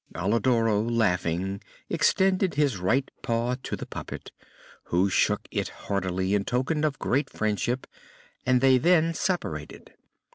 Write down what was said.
Alidoro, laughing, extended his right paw to the puppet, who shook it heartily in token of great friendship, and they then separated.